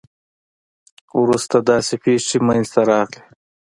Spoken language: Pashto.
وروسته داسې پېښې منځته راغلې.